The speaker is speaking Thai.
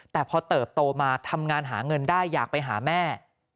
แต่พอเติบโตมาทำงานหาเงินได้อยากไปหาแม่